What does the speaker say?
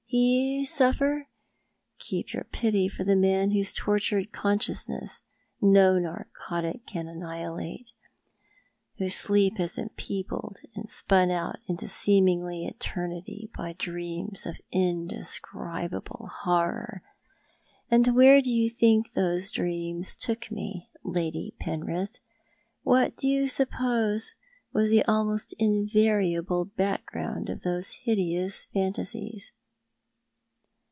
He suffer? Keep your pity for the man whose tortured consciousness no narcotic can annihilate — whose sleep has been peopled and spun out into seeming eternity by dreams of indescribable horror. And where do you think those dreams took me — Lady Penrith — what do you suppose was the almost invariable background of those hideous phantasies